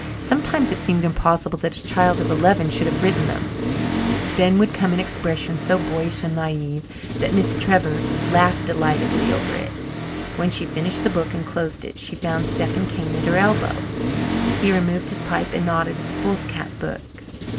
Sometimes it seemed impossible that a child of eleven should have written them, then would come an expression so boyish and naive that Miss Trevor laughed delightedly over it. When she finished the book and closed it she found Stephen Kane at her elbow. He removed his pipe and nodded at the foolscap book.